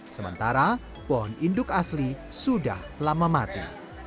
sementara pohon induk asli sudah lama mati